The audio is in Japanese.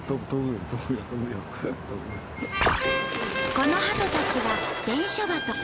このハトたちは「伝書バト」。